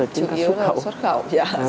chủ yếu là xuất khẩu